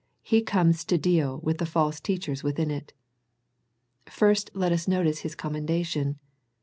He comes to deal with the false teachers within it. First let us notice His commendation.